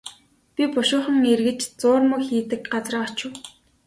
Би бушуухан эргэж зуурмаг хийдэг газраа очив.